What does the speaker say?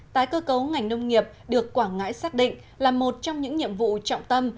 tái cơ cấu ngành nông nghiệp được quảng ngãi xác định là một trong những nhiệm vụ trọng tâm